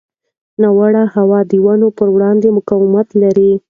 ناوړه هوا د ونو پر وړاندې مقاومت لري.